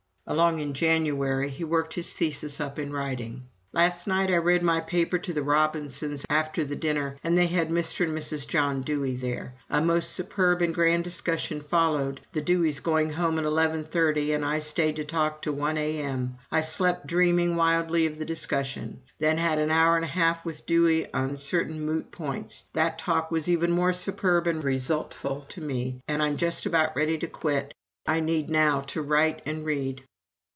..." Along in January he worked his thesis up in writing. "Last night I read my paper to the Robinsons after the dinner and they had Mr. and Mrs. John Dewey there. A most superb and grand discussion followed, the Deweys going home at eleven thirty and I stayed to talk to one A.M. I slept dreaming wildly of the discussion. ... Then had an hour and a half with Dewey on certain moot points. That talk was even more superb and resultful to me and I'm just about ready to quit. ... I need now to write and read."